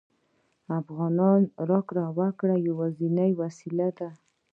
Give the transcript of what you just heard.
افغانۍ د راکړې ورکړې یوازینۍ وسیله ده